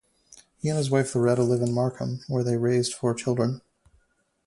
He and his wife Loretta live in Markham where they raised four children.